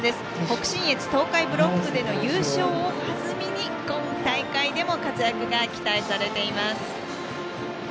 北信越・東海ブロックでの優勝をはずみに今大会でも活躍が期待されています。